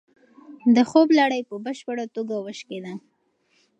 د خوب لړۍ په بشپړه توګه وشکېده.